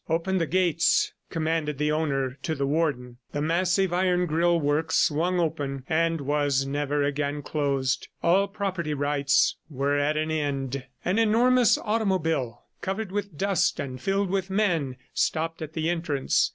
"Open the gates," commanded the owner to the Warden. The massive iron grill work swung open, and was never again closed. All property rights were at an end. An enormous automobile, covered with dust and filled with men, stopped at the entrance.